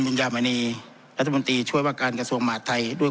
บรรยาบรรณีรัฐบันตรีช่วยว่าการกระสวงหมาทไทยด้วย